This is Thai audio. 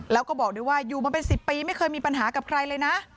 แล้วก็บอกด้วยว่าอยู่มาเป็น๑๐ปีไม่เคยมีปัญหากับใครเลยนะ